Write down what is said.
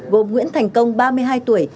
gồm nguyễn thành công ba mươi hai tuổi